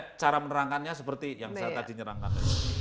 ya cara menerangkannya seperti yang saya tadi nyerangkan